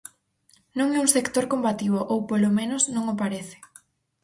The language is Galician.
Non é un sector combativo ou polo menos, non o parece.